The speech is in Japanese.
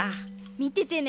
みててね！